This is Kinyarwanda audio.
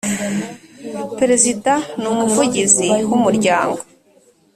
Perezida n Umuvugizi w Umuryango